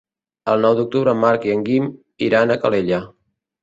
El nou d'octubre en Marc i en Guim iran a Calella.